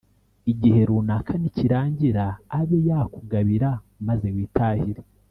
igihe runaka nikirangira abe yakugabira maze witahire.